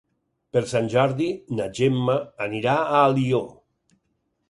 Per Sant Jordi na Gemma anirà a Alió.